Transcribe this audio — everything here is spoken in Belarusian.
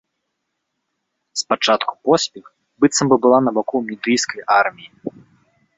Спачатку поспех быццам бы была на баку мідыйскай арміі.